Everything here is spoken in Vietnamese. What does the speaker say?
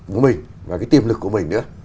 của mình và cái tiềm lực của mình nữa